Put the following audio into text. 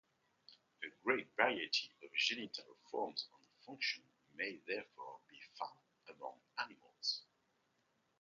A great variety of genital form and function may therefore be found among animals.